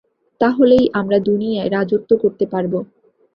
তাহলেই আমরা দুনিয়ায় রাজত্ব করতে পারবো।